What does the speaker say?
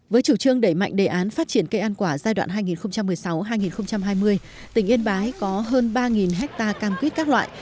với chủ trương đẩy mạnh đề án phát triển cây ăn quả giai đoạn hai nghìn một mươi sáu hai nghìn hai mươi tỉnh yên bái có hơn ba hectare cam quýt các loại